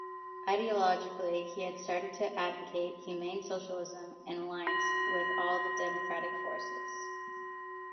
Ideologically he had started to advocate humane socialism and alliance with all democratic forces.